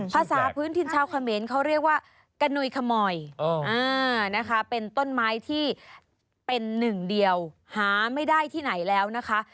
ภาษาพื้นถิ่นชาวเขมรเขาเรียกว่ากระนุยขมอยนะคะเป็นต้นไม้ที่เป็นหนึ่งเดียวหาไม่ได้ที่ไหนแล้วนะคะ